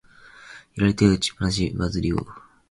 左手は持ちっぱなし、ファズリウ。